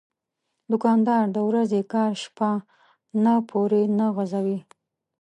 دوکاندار د ورځې کار شپه نه پورې نه غځوي.